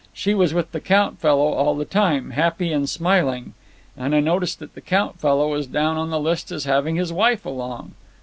She was with the Count fellow all the time, happy and smiling, and I noticed that the Count fellow was down on the list as having his wife along.